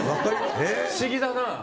不思議だな。